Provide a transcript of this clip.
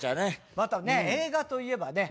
またね映画といえばね